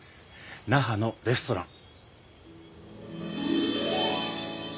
那覇のレストラン。